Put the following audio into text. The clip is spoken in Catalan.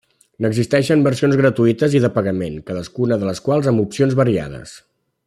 N'existeixen versions gratuïtes i de pagament, cadascuna de les quals amb opcions variades.